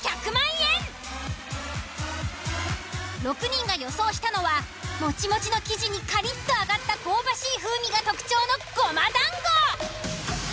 ６人が予想したのはモチモチの生地にカリッと揚がった香ばしい風味が特徴のごま団子。